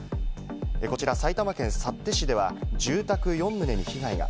こちら埼玉県幸手市では住宅４棟に被害が。